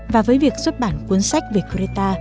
và với việc xuất bản cuốn sách về greta